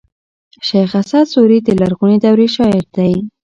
شېخ اسعد سوري د لرغوني دورې شاعر دﺉ.